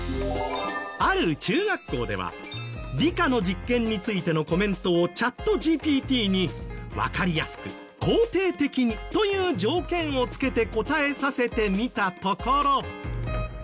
ある中学校では理科の実験についてのコメントをチャットＧＰＴに「わかりやすく肯定的に」という条件をつけて答えさせてみたところ。